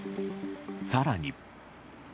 更に。